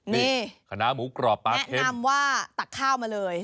นี่แนะนำว่าตักข้าวมาเลยคณะหมูกรอบปลาเข็ม